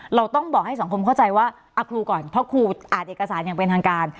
เราต้องบอกให้สังคมเข้าใจว่าครูก่อนเพราะครูอ่านเอกสารอย่างเป็นทางการ